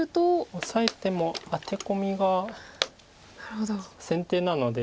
オサえてもアテコミが先手なので。